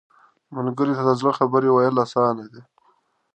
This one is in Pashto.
ملګری ته د زړه خبرې ویل اسانه وي